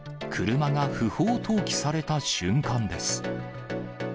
車が不法投棄された瞬間です。